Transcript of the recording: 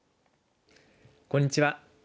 こんにちは。